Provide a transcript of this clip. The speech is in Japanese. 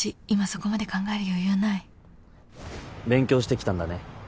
今そこまで考える余裕ない勉強してきたんだね。